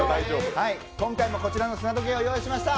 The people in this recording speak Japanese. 今回もこちらの砂時計を用意しました。